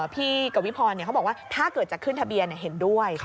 พี่กวิพรเขาบอกว่าถ้าเกิดจะขึ้นทะเบียนเห็นด้วย